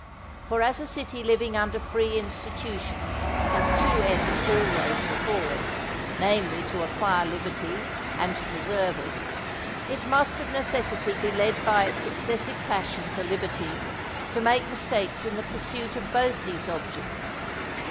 For as a city living under free institutions has two ends always before it, namely to acquire liberty and to preserve it, it must of necessity be led by its excessive passion for liberty to make mistakes in the pursuit of both these objects.